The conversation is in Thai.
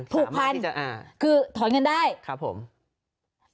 ผูกพันคือถอนเงินได้ครับผมคือถอนเงินได้